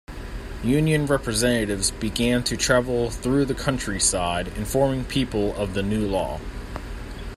Union representatives began to travel through the countryside, informing people of the new law.